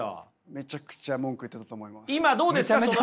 めちゃめちゃ文句言ってたと思います。